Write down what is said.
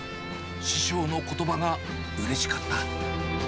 師匠のことばがうれしかった。